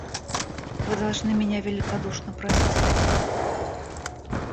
Вы должны меня великодушно простить...